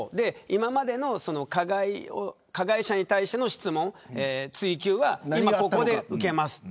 今までの加害者に対しての質問、追及は今、ここで受けます。